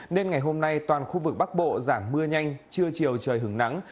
nên ngày hôm nay toàn khu vực bắc bộ giảm mưa nhanh trưa chiều trời hứng nắng